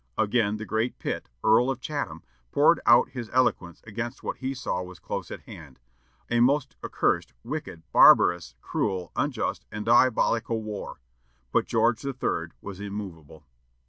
Again the great Pitt, Earl of Chatham, poured out his eloquence against what he saw was close at hand "a most accursed, wicked, barbarous, cruel, unjust, and diabolical war." But George III. was immovable.